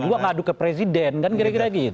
lu ngaduk ke presiden kan kira kira gitu